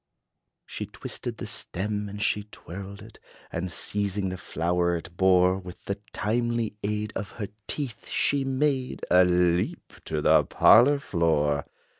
She twisted the stem, and she twirled it; And, seizing the flower it bore With the timely aid of her teeth, she made A leap to the parlor floor.